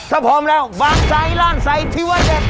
ถ้าพร้อมแล้วบางไซดร่านใสที่ว่าเด็ด